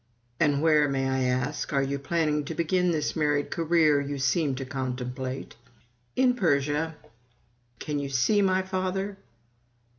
"And where, may I ask, are you planning to begin this married career you seem to contemplate?" "In Persia." Can you see my father?